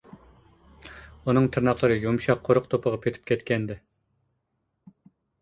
ئۇنىڭ تىرناقلىرى يۇمشاق، قۇرۇق توپىغا پېتىپ كەتكەنىدى.